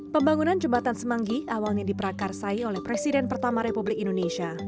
pembangunan jembatan semanggi awalnya diprakarsai oleh presiden pertama republik indonesia